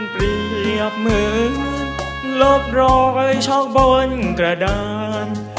เปรียบเหมือนลบรอยช็อกบนกระดาน